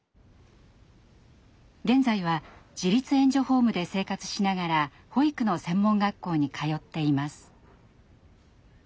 現在は自立援助ホームで生活しながら保育の専門学校に通っています。